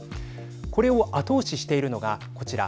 これを後押ししているのがこちら。